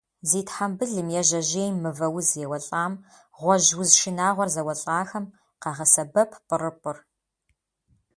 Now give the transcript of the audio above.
Зи тхьэмбылым е жьэжьейм мывэуз еуэлӏам, гъуэжь уз шынагъуэр зэуэлӏахэм къагъэсэбэп пӏырыпӏыр.